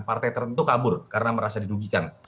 partai tertentu kabur karena merasa dirugikan